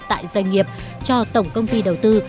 tại doanh nghiệp cho tổng công ty đầu tư